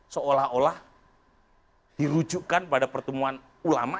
seolah olah dirujukkan pada pertemuan ulama